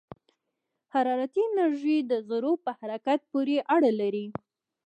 حرارتي انرژي د ذرّو په حرکت پورې اړه لري.